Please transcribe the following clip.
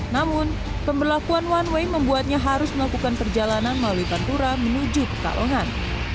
namun pemberlakuan one way membuatnya harus melakukan perjalanan melalui pantura menuju pekalongan